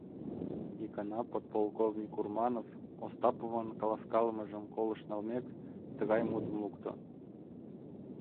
Икана подполковник Урманов, Остаповын каласкалымыжым колышт налмек, тыгай мутым лукто: